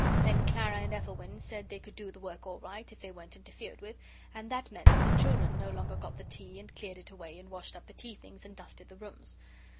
Then Clara and Ethelwyn said they could do the work all right if they weren't interfered with, and that meant that the children no longer got the tea and cleared it away and washed up the tea things and dusted the rooms.